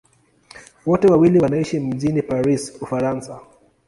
Wote wawili wanaishi mjini Paris, Ufaransa.